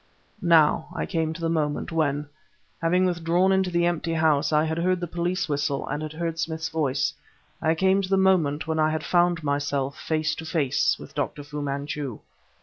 Now I came to the moment when, having withdrawn into the empty house, I had heard the police whistle and had heard Smith's voice; I came to the moment when I had found myself face to face with Dr. Fu Manchu.